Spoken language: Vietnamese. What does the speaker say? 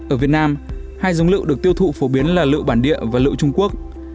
ở việt nam hai dùng lựu được tiêu thụ phổ biến là lựu bản địa và lựu trung quốc